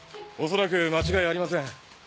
おそらく間違いありません。